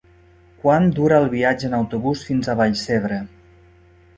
Quant dura el viatge en autobús fins a Vallcebre?